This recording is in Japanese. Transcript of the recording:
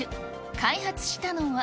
開発したのは。